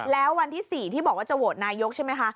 แล้ววันที่๔ที่บอกว่าจะโหวตนายกใช่ไหมคะ